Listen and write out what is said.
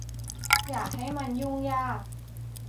อย่าให้มันยุ่งยาก